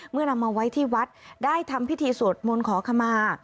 นำมาไว้ที่วัดได้ทำพิธีสวดมนต์ขอขมา